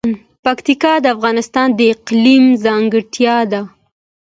پکتیا د افغانستان د اقلیم ځانګړتیا ده.